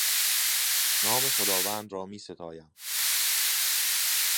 نام خداوند را میستاییم.